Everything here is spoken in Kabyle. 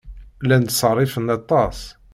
Llan ttṣerrifen aṭas.